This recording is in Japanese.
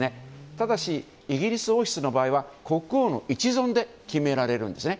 ただし、イギリス王室の場合は国王の一存で決められるんですね。